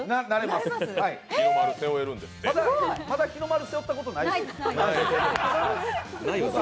まだ日の丸背負ったことないですか？